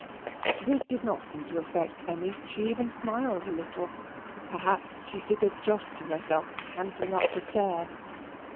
This did not seem to affect Emmy. She even smiled a little. Perhaps she figured Jos to herself panting up the stair.